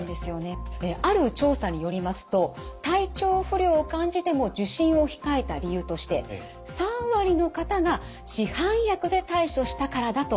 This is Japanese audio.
ある調査によりますと体調不良を感じても受診を控えた理由として３割の方が「市販薬で対処したから」だと答えています。